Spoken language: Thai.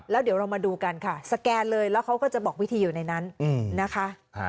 แล้วเดี๋ยวเรามาดูกันค่ะสแกนเลยแล้วเขาก็จะบอกวิธีอยู่ในนั้นนะคะ